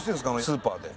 スーパーで。